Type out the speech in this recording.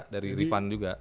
dari rifan juga